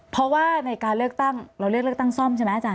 เพราะว่าในการเลือกตั้งเราเลือกเลือกตั้งซ่อมใช่ไหมอาจาร